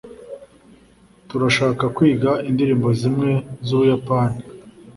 turashaka kwiga indirimbo zimwe z'ubuyapani